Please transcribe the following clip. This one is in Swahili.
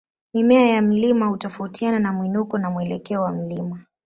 Mimea ya mlima hutofautiana na mwinuko na mwelekeo wa mlima.